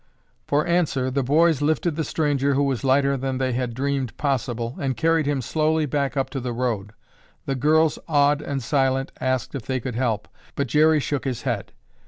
For answer the boys lifted the stranger who was lighter than they had dreamed possible and carried him slowly back up to the road. The girls, awed and silent, asked if they could help, but Jerry shook his head.